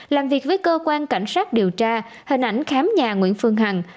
làm việc với cơ quan cảnh sát điều tra hình ảnh khám nhà nguyễn phương hằng